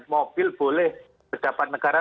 mobil boleh berjabat negara